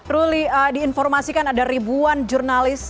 ruli diinformasikan ada ribuan jurnalis